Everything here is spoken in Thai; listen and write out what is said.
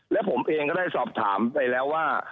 และผมเองก็ได้สอบถามไปแล้วว่า